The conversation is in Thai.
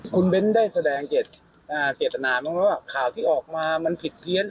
ข้างมันผิดเพี้ยน